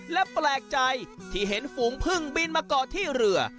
และแปลกใจที่เห็นฝูงพึ่งบินมาเกาะที่เรือ